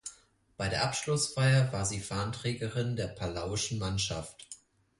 Bei der Abschlussfeier war sie Fahnenträgerin der palauischen Mannschaft.